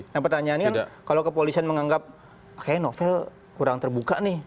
nah pertanyaannya kalau kepolisian menganggap kayaknya novel kurang terbuka nih